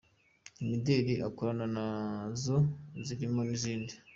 Imideli akorana na zo zirimo n’izindi.